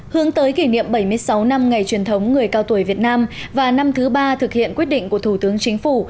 hướng tới kỷ niệm bảy mươi sáu năm ngày truyền thống người cao tuổi việt nam và năm thứ ba thực hiện quyết định của thủ tướng chính phủ